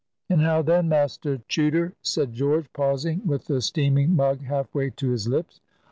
"And how then, Master Chuter?" said George, pausing, with the steaming mug half way to his lips.